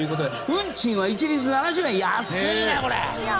運賃は一律７０円、安いね！